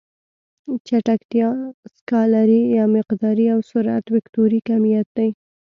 چټکتیا سکالري يا مقداري او سرعت وکتوري کميت دی.